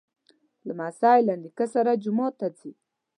لمسی له نیکه سره جومات ته ځي.